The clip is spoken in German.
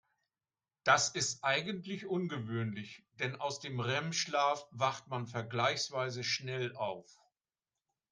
Das ist eigentlich ungewöhnlich, denn aus dem REM-Schlaf wacht man vergleichsweise schnell auf.